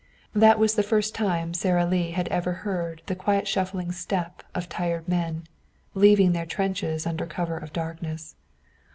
That was the first time Sara Lee had ever heard the quiet shuffling step of tired men, leaving their trenches under cover of darkness.